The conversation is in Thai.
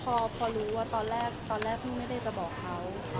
พอรู้ว่าตอนแรกเพิ่งไม่ได้จะบอกเขา